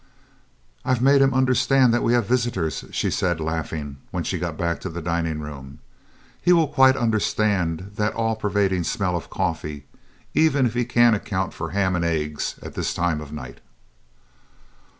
"I've made him understand that we have visitors," she said, laughing, when she got back to the dining room. "He will quite understand the all pervading smell of coffee, even if he can't account for the ham and eggs at this time of night."